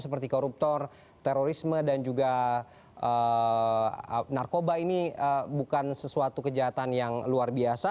seperti koruptor terorisme dan juga narkoba ini bukan sesuatu kejahatan yang luar biasa